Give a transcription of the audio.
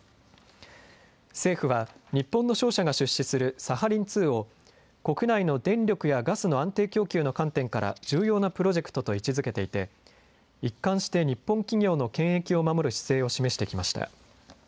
政府は、日本の商社が出資するサハリン２を、国内の電力やガスの安定供給の観点から重要なプロジェクトと位置づけていて、一貫して日本企業の権益を守る姿勢を示してきました。